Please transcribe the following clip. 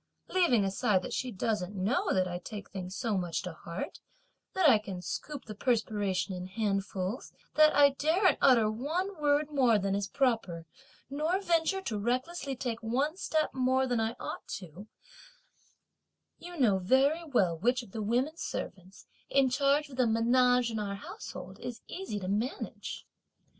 Leaving aside that she doesn't know that I take things so much to heart, that I can scoop the perspiration in handfuls, that I daren't utter one word more than is proper, nor venture to recklessly take one step more than I ought to, you know very well which of the women servants, in charge of the menage in our household, is easy to manage!